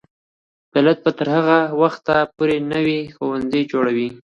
دولت به تر هغه وخته پورې نوي ښوونځي جوړوي.